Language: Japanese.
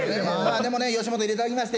でもね吉本入れて頂きまして。